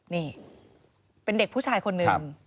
นี่เป็นเด็กผู้ชายคนหนึ่ง